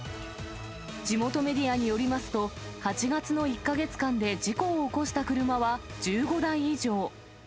地元メディアによりますと、８月の１か月間で事故を起こした車は１５台以上。